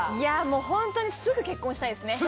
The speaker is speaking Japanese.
もうホントにすぐ結婚したいですね。